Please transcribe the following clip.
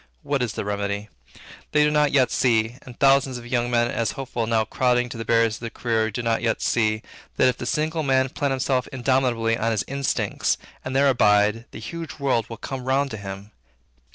What is the remedy? They did not yet see, and thousands of young men as hopeful now crowding to the barriers for the career do not yet see, that, if the single man plant himself indomitably on his instincts, and there abide, the huge world will come round to him.